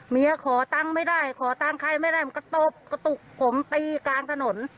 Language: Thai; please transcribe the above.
เมียขอตั้งไม่ได้ขอตั้งใครไม่ได้มันกระตบกระตุกผมตีกลางถนน